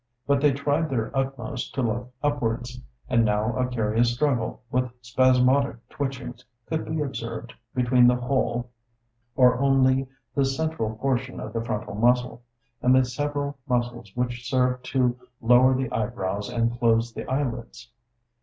But they tried their utmost to look upwards; and now a curious struggle, with spasmodic twitchings, could be observed between the whole or only the central portion of the frontal muscle, and the several muscles which serve to lower the eyebrows and close the eyelids.